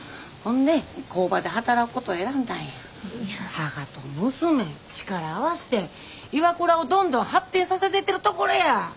母と娘力合わしてＩＷＡＫＵＲＡをどんどん発展させてってるところや。